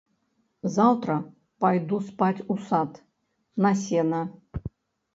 Заўтра пайду спаць у сад, на сена.